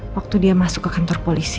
waktu dia masuk ke kantor polisi